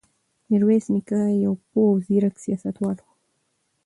میرویس نیکه یو پوه او زیرک سیاستوال و.